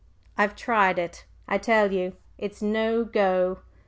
_' I've tried it. I tell you it's no go!"